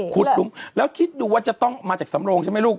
หลุมแล้วคิดดูว่าจะต้องมาจากสำโรงใช่ไหมลูก